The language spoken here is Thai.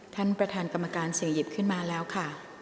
ท่านประธานกรรมการเสี่ยงหยิบขึ้นมาแล้วค่ะ